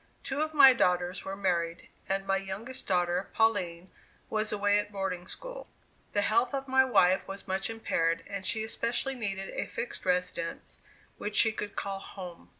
Two of my daughters were married, and my youngest daughter, Pauline, was away at boarding school. The health of my wife was much impaired, and she especially needed a fixed residence which she could call "home."